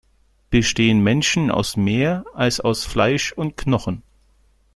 Bestehen Menschen aus mehr, als aus Fleisch und Knochen?